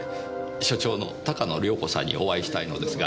所長の鷹野涼子さんにお会いしたいのですが。